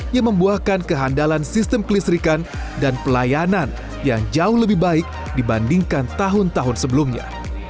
yang membuahkan kehandalan sistem kelistrikan dan pelayanan yang jauh lebih baik dibandingkan tahun tahun sebelumnya